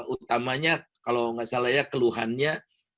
utamanya kalau gak salahnya keluhannya